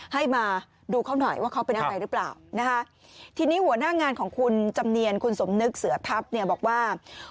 ให้มาดูเขาหน่อยว่าเขาเป็นอะไรหรือเปล่า